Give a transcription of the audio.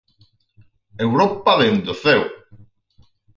Europa dende o ceo.